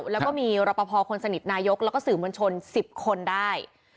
แล้วก็มีรปภคนสนิทนายกแล้วก็สื่อมวลชน๑๐คนได้